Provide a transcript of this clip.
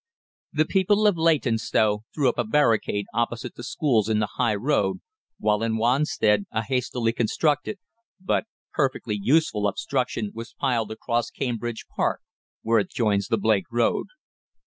The people of Leytonstone threw up a barricade opposite the schools in the High Road, while in Wanstead a hastily constructed, but perfectly useless, obstruction was piled across Cambridge Park, where it joins the Blake Road.